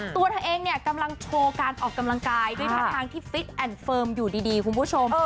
ตัวเธอเองเนี่ยกำลังโชว์การออกกำลังกายด้วยท่าทางที่ฟิตแอนด์เฟิร์มอยู่ดีคุณผู้ชม